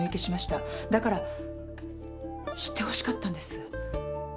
だから知ってほしかったんです。